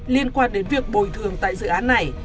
liên quan đến việc bồi thường tại dự án này